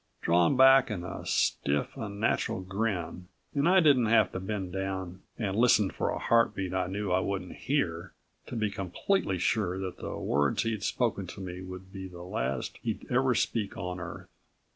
Drawn back in a stiff, unnatural grin and I didn't have to bend down and listen for a heartbeat I knew I wouldn't hear to be completely sure that the words he'd spoken to me would be the last he'd ever speak on Earth.